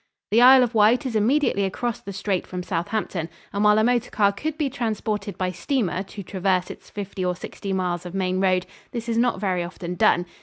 The Isle of Wight is immediately across the strait from Southampton, and while a motor car could be transported by steamer to traverse its fifty or sixty miles of main road, this is not very often done.